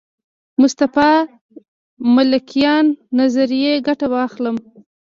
مصطفی ملکیان نظریې ګټه واخلم.